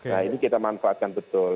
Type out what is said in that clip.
nah ini kita manfaatkan betul